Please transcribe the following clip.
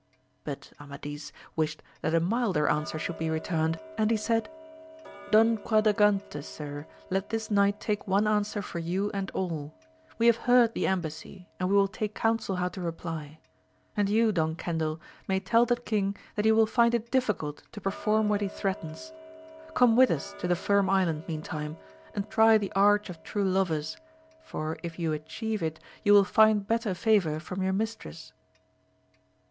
But Amadis wished that a milder answer should be returned, and he said Don Quadragante, sir, let this knight take one answer for you and all. We have heard the embassy, and we will take counsel how to reply ; and you, Don Cendil, may tell the king that he will find it difficult to per form what he threatens. Come with us to the Firm Island meantime, and try the Arch of True Lovers, for if you atchieve it you will find better favour from your mistress.